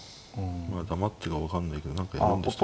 まあ黙ってるか分かんないけど何かやるんでしたね。